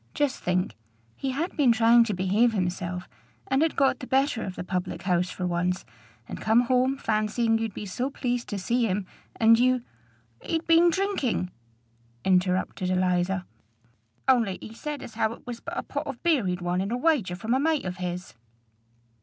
Just think: he had been trying to behave himself, and had got the better of the public house for once, and come home fancying you'd be so pleased to see him; and you" "He'd been drinking," interrupted Eliza. "Only he said as how it was but a pot of beer he'd won in a wager from a mate of his."